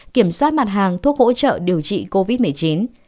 kiểm soát mặt hàng thuốc hỗ trợ điều trị covid một mươi chín